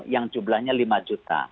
yang jumlahnya lima juta